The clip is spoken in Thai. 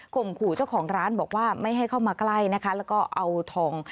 ขู่เจ้าของร้านบอกว่าไม่ให้เข้ามาใกล้นะคะแล้วก็เอาทอง